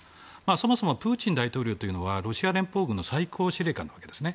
そもそもプーチン大統領はロシア連邦軍の最高司令官なわけですね。